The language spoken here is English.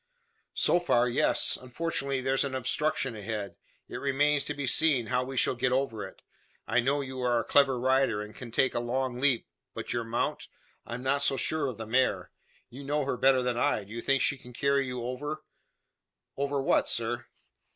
"So far, yes. Unfortunately there's an obstruction ahead. It remains to be seen how we shall get over it. I know you are a clever rider, and can take a long leap. But your mount? I'm not so sure of the mare. You know her better than I. Do you think she can carry you over " "Over what, sir?"